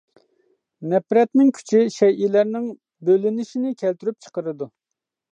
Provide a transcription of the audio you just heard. نەپرەتنىڭ كۈچى شەيئىلەرنىڭ بۆلۈنۈشىنى كەلتۈرۈپ چىقىرىدۇ.